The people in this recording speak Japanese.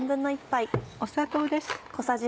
砂糖です。